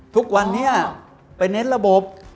ทุกวันนี้ไปเน้นระบบ